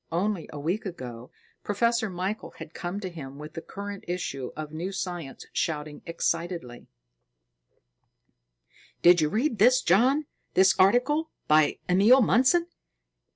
Only a week ago, Professor Michael had come to him with the current issue of New Science, shouting excitedly: "Did you read this, John, this article by Emil Mundson?"